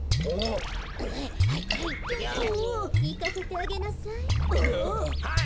いかせてあげなさい。